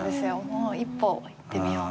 もう一歩いってみよう。